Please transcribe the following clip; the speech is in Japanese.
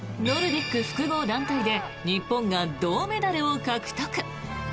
ノルディック複合団体で日本が銅メダルを獲得。